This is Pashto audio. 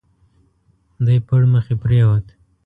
دی پړمخي پرېووت.